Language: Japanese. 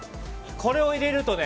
これを入れるとね